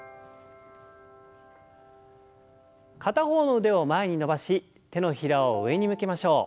片方の腕を前に伸ばし手のひらを上に向けましょう。